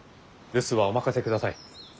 留守はお任せください。